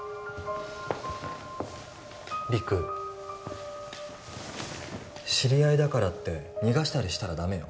陸知り合いだからって逃がしたりしたらダメよ